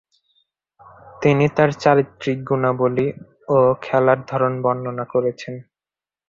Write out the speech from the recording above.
তিনি তার চারিত্রিক গুণাবলী ও খেলার ধরন বর্ণনা করেছেন।